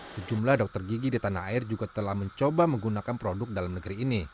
sejumlah dokter gigi di tanah air juga telah mencoba menggunakan produk dalam negeri ini